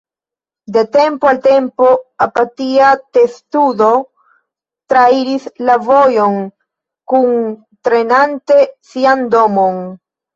De tempo al tempo, apatia testudo trairis la vojon kuntrenante sian domon.